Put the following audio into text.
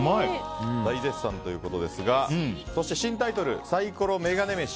大絶賛ということですが新タイトルのサイコロメガネ飯。